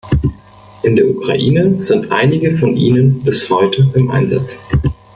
In der Ukraine sind einige von ihnen bis heute im Einsatz.